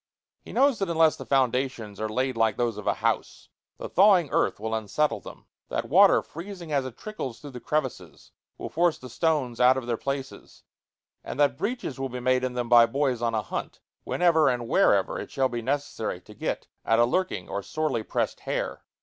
He knows that unless the foundations are laid like those of a house, the thawing earth will unsettle them, that water, freezing as it trickles through the crevices, will force the stones out of their places, and that breaches will be made in them by boys on a hunt whenever and wherever it shall be necessary to get at a lurking or sorely pressed hare.